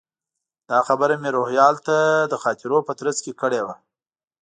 دا خبره مې روهیال ته د خاطرو په ترڅ کې کړې وه.